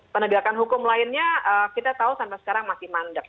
penegakan hukum lainnya kita tahu sampai sekarang masih mandek